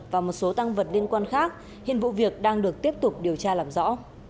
và một số tăng vật liên quan khác hiện vụ việc đang được tiếp tục điều tra làm rõ